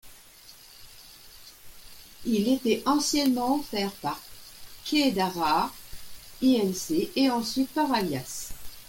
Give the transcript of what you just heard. Il était anciennement offert par Kaydara Inc. et ensuite par Alias.